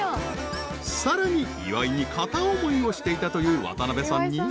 ［さらに岩井に片思いをしていたという渡部さんに］